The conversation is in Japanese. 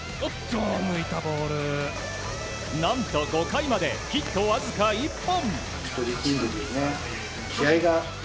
何と５回までヒットわずか１本。